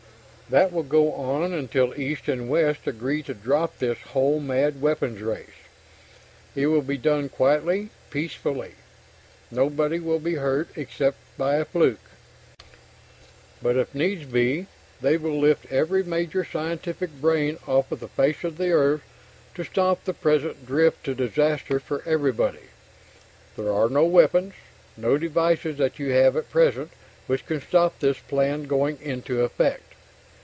That will go on until East and West agree to drop this whole mad weapons race. It will be done quietly, peacefully. Nobody will be hurt except by a fluke. But if needs be, they will lift every major scientific brain off the face of Earth to stop the present drift to disaster for everybody. There are no weapons, no devices that you have at present, which can stop this plan going into effect.